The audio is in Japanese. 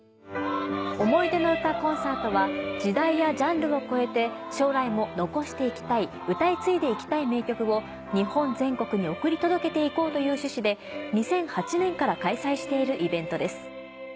「想いでの詩コンサート」は時代やジャンルを超えて将来も残して行きたい歌い継いで行きたい名曲を日本全国に送り届けて行こうという趣旨で２００８年から開催しているイベントです。